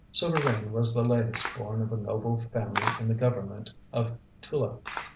Souvarine was the latest born of a noble family in the Government of Tula.